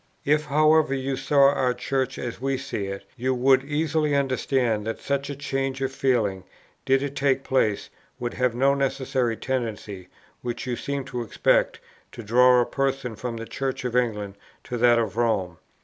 "If, however, you saw our Church as we see it, you would easily understand that such a change of feeling, did it take place, would have no necessary tendency, which you seem to expect, to draw a person from the Church of England to that of Rome.